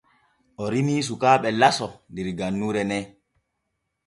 O rimii sukaaɓe laso der gannuure ne.